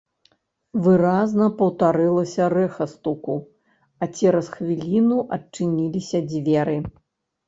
Выразна паўтарылася рэха стуку, а цераз хвіліну адчыніліся дзверы.